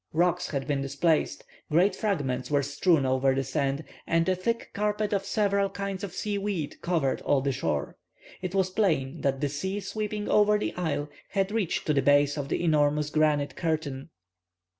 Rocks had been displaced. Great fragments were strewn over the sand, and a thick carpet of several kinds of seaweed covered all the shore. It was plain that the sea sweeping over the isle had reached to the base of the enormous granite curtain.